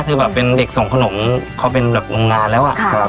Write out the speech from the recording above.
คือแบบเป็นเด็กส่งขนมเขาเป็นแบบโรงงานแล้วอะ